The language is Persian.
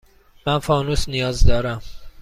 من فانوس نیاز دارم.